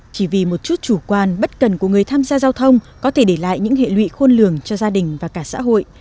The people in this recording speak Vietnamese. chỉ vì một chút chủ quan bất cần của người tham gia giao thông có thể để lại những hệ lụy khôn lường cho gia đình và cả xã hội